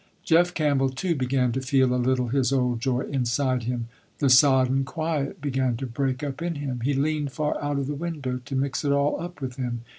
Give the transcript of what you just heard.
Jeff Campbell too began to feel a little his old joy inside him. The sodden quiet began to break up in him. He leaned far out of the window to mix it all up with him.